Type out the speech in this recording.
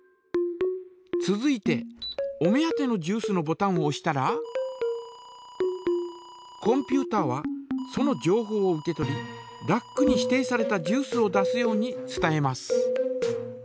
続いてお目当てのジュースのボタンをおしたらコンピュータはそのじょうほうを受け取りラックに指定されたジュースを出すように伝えます。